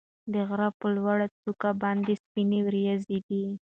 د غره په لوړو څوکو باندې سپینې وريځې دي.